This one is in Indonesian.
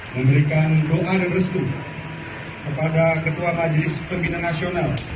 memberikan doa dan restu kepada ketua majelis pembina nasional